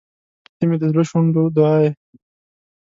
• ته مې د زړه شونډو دعا یې.